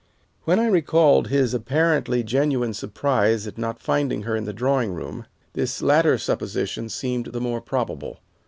When I recalled his apparently genuine surprise at not finding her in the drawing room, this latter supposition seemed the more probable.